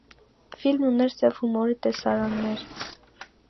Ֆիլմն ուներ սև հումորի տեսարաններ։